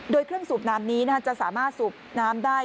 โดยเครื่องสูบน้ำนี้จะสามารถสูบน้ำได้